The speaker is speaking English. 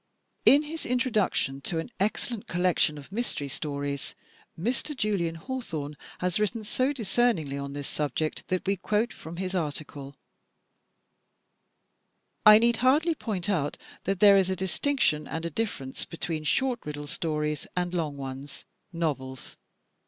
In his introduction to an excellent collection of mystery stories, Mr. Julian Hawthorne has written so discerningly on this subject that we quote from his article: "I need hardly point out that there is a distinction and a difference between short riddle stories and long ones — novels.